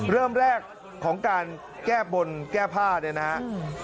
เริ่มแรกของการแก้บนแก้ผ้าเนี่ยนะครับ